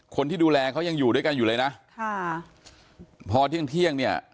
คนที่ดูแลเขายังอยู่ด้วยกันอยู่เลยนะค่ะพอเที่ยงเที่ยงเนี่ย